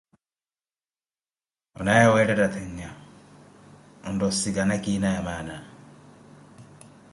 Onaye wettetta tennya ontta osikana kiina yamaana.